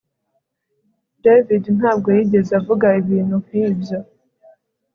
David ntabwo yigeze avuga ibintu nkibyo